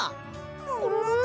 ももも？